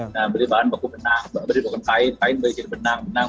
nah beli bahan baku benang beli bahan kain kain beli kain benang